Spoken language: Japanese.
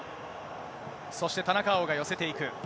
そして田中碧が寄せていく。